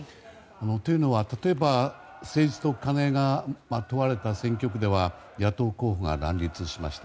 というのは、例えば政治とカネが問われた選挙区では野党候補が乱立しました。